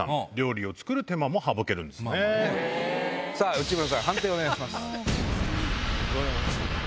内村さん判定お願いします。